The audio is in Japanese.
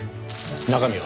中身は？